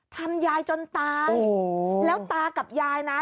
ทำยายจนตายโอ้โหแล้วตากับยายนะ